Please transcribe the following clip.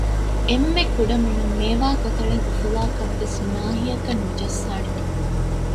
އެންމެ ކުޑަމިނުން މޭވާ ކޮތަޅެއް އުފުލާކަށް ވެސް ނާހިއަކަށް ނުޖައްސާނެ